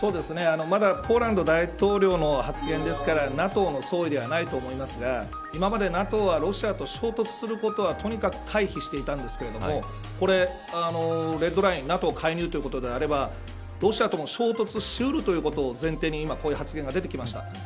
まだポーランド大統領の発言ですからＮＡＴＯの総意ではないと思いますが今までＮＡＴＯはロシアと衝突することはとにかく回避していたんですがレッドラインＮＡＴＯ介入ということであればロシアとも衝突し得るということを前提に今こういう発言が出てきました。